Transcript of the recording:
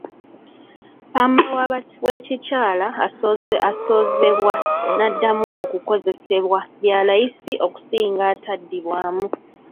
Ppamba w'ekikyala asozebwa n'addamu okukozesebwa bya layisi okusinga ataddibwamu.